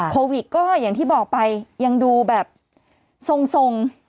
โควิดก็อย่างที่บอกไปยังดูแบบทรง